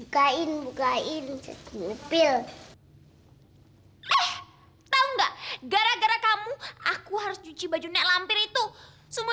kain kain mobil hai eh tahu enggak gara gara kamu aku harus cuci baju nek lampir itu semua